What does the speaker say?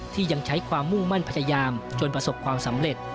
ยังใช้ความมุ่งมั่นพยายามจนประสบความสำเร็จ